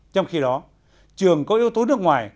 trong khi đó trường có yếu tố nước ngoài